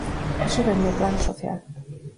Iso dende o plano social.